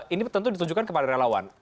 ini tentu ditujukan kepada relawan